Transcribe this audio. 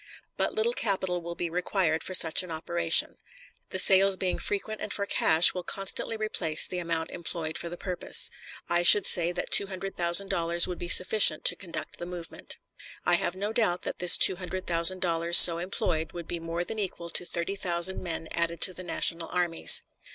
But little capital will be required for such an operation. The sales being frequent and for cash, will constantly replace the amount employed for the purpose. I should say that two hundred thousand dollars would be sufficient to conduct the movement. I have no doubt that this two hundred thousand dollars so employed would be more than equal to thirty thousand men added to the national armies.